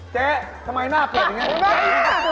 เจ๊ทำไมหน้าเปลี่ยนอย่างนี้